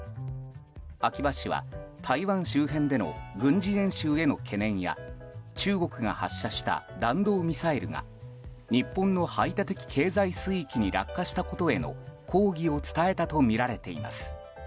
秋葉氏は台湾周辺での軍事演習への懸念や中国が発射した弾道ミサイルが日本の排他的経済水域に落下したことへの抗議を伝えたとみられています。